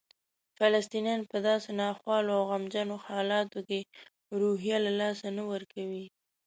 فلسطینیان په داسې ناخوالو او غمجنو حالاتو کې روحیه له لاسه نه ورکوي.